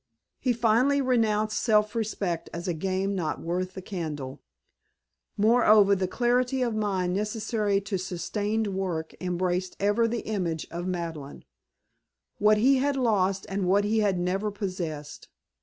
He finally renounced self respect as a game not worth the candle. Moreover, the clarity of mind necessary to sustained work embraced ever the image of Madeleine; what he had lost and what he had never possessed.